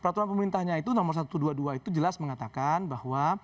peraturan pemerintahnya itu nomor satu ratus dua puluh dua itu jelas mengatakan bahwa